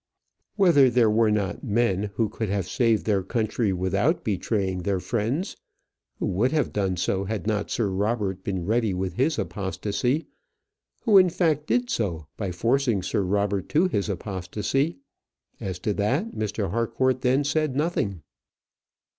Whether there were not men who could have saved their country without betraying their friends who would have done so had not Sir Robert been ready with his apostacy; who in fact did so by forcing Sir Robert to his apostacy as to that, Mr. Harcourt then said nothing.